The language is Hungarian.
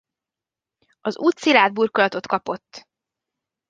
Az út szilárd burkolatot kapott.